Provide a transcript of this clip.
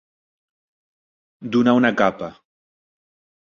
Donar una capa.